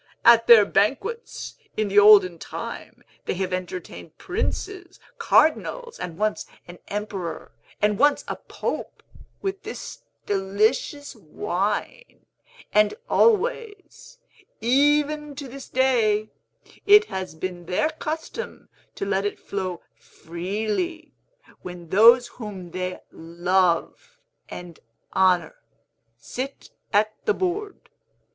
At their banquets, in the olden time, they have entertained princes, cardinals, and once an emperor and once a pope, with this delicious wine, and always, even to this day, it has been their custom to let it flow freely, when those whom they love and honor sit at the board.